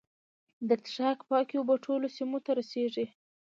د څښاک پاکې اوبه ټولو سیمو ته رسیږي.